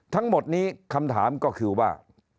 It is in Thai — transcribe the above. ทั้งหมดนี้คำถามก็คือว่า